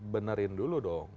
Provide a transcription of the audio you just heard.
benerin dulu dong